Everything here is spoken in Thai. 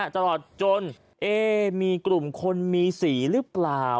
ตลอดจนมีกลุ่มคนมีสีหรือเปล่า